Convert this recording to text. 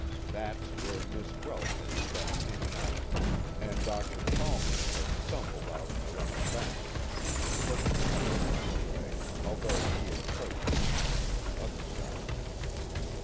That's where Miss Welsh had stepped in and out, and Dr. Chalmers had stumbled out on the left bank, slipping once by the way, although he had approached the pond from the other side."